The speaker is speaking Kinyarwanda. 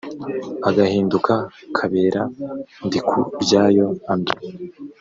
agahinduka kabera ndikuryayo andre